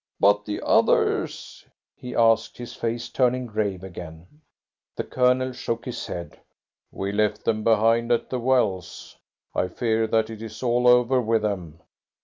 "But the others?" he asked, his face turning grave again. The Colonel shook his head. "We left them behind at the wells. I fear that it is all over with them."